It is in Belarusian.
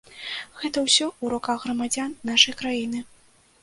Гэта ўсё ў руках грамадзян нашай краіны.